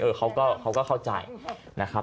เออเขาก็เขาเข้าใจนะครับ